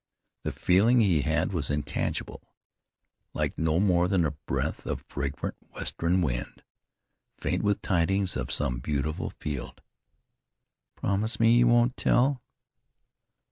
The feeling he had was intangible, like no more than a breath of fragrant western wind, faint with tidings of some beautiful field. "Promise me you won't tell."